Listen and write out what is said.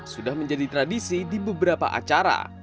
sudah menjadi tradisi di beberapa acara